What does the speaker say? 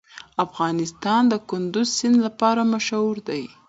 افغانستان د کندز سیند لپاره مشهور دی.